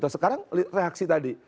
sekarang reaksi tadi